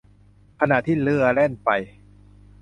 ขณะที่เรื่อแล่นไป